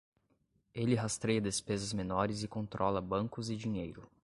Ele rastreia despesas menores e controla bancos e dinheiro.